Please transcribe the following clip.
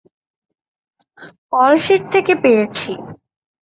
Call sheet থেকে পেয়েছি।